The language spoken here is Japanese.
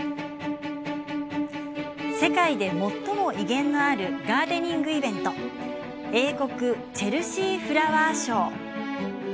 世界で最も威厳のあるガーデニングイベント英国チェルシーフラワーショー。